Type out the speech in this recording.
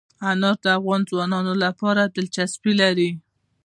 انار د افغان ځوانانو لپاره دلچسپي لري.